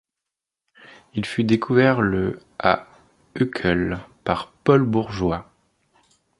Il fut découvert le à Uccle par Paul Bourgeois.